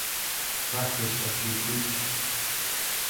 Practice what you preach.